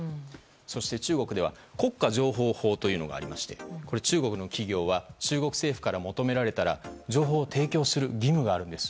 そして、中国では国家情報法というものがありまして中国の企業は中国政府から求められたら情報を提供する義務があるんです。